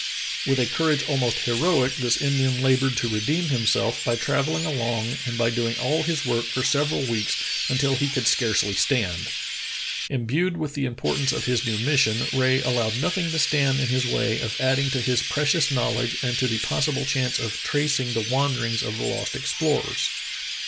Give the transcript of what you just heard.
With a courage almost heroic, this Indian labored to redeem himself by travelling along and by doing all his work for several weeks until he could scarcely stand. Imbued with the importance of his new mission, Rae allowed nothing to stand in his way of adding to his precious knowledge and to the possible chance of trac ing the wanderings of the lost explorers.